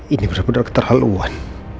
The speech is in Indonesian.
ini benar benar keterlaluan